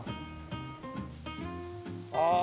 ああ